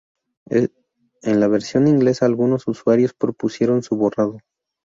En la versión inglesa algunos usuarios propusieron su borrado.